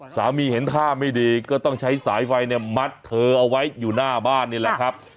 เห็นท่าไม่ดีก็ต้องใช้สายไฟเนี่ยมัดเธอเอาไว้อยู่หน้าบ้านนี่แหละครับ